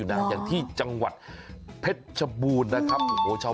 แต่วิธีการขอผลไม่ธรรมดา